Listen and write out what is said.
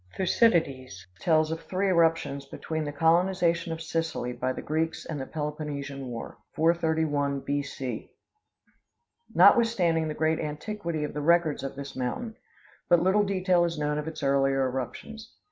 Thucydides tells of three eruptions between the colonization of Sicily by the Greeks and the Peloponnesian war 431 B. C. Notwithstanding the great antiquity of the records of this mountain, but little detail is known of its earlier eruptions.